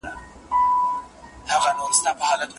څوک چي ستوان خوري شپېلۍ نه وهي.